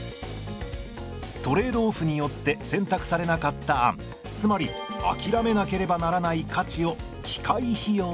トレード・オフによって選択されなかった案つまりあきらめなければならない価値を機会費用といいます。